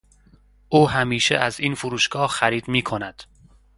او همیشه از این فروشگاه خرید میکند.